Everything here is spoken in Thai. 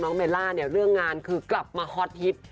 เบลล่าเนี่ยเรื่องงานคือกลับมาฮอตฮิต